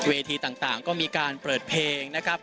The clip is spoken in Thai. เวทีต่างก็มีการเปิดเพลงนะครับ